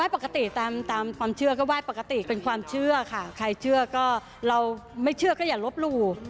ปกติตามความเชื่อก็ไหว้ปกติเป็นความเชื่อค่ะใครเชื่อก็เราไม่เชื่อก็อย่าลบหลู่